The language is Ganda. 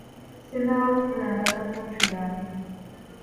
Sinnaba kufuna ndagamuntu yange.